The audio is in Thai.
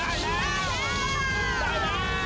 ได้แล้วได้แล้ว